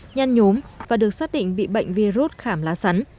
nhăn nhốm và được xác định bị bệnh virus khảm lá sắn